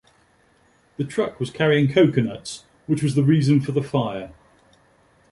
The truck was carrying coconuts, which was the reason for the fire.